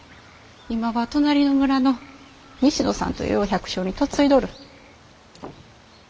今は隣の村の西野さんというお百姓に嫁いどる。